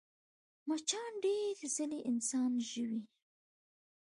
مچان ډېرې ځلې انسان ژوي